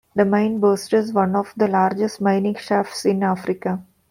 The mine boasts one of the largest mining shafts in Africa.